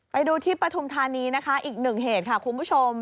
ไปดูที่ปฐุมธานีนะคะอีกหนึ่งเหตุค่ะคุณผู้ชม